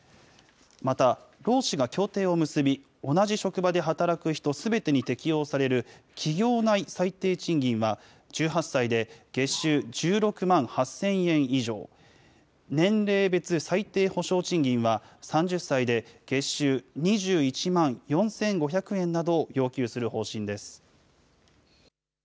また、労使が協定を結び、同じ職場で働く人すべてに適用される企業内最低賃金は、１８歳で月収１６万８０００円以上、年齢別最低保障賃金は、３０歳で月収２１万４５００円などを要求する方針です。